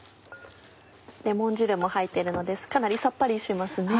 レモン汁も入っているのでかなりさっぱりしますね。